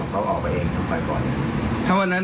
เขาก็ออกมาเองก็กลัวอย่างนั้น